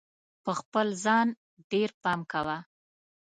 په خپل ځان ډېر پام کوه!